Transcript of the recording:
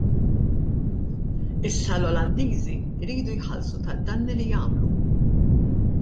Issa l-Olandiżi jridu jħallsu tad-danni li għamlu.